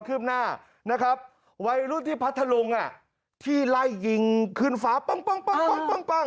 ขึ้นหน้านะครับไวรุ่นที่พัดทะลุงอ่ะที่ไล่ยิงคืนฝาปังปังปังปังปังปัง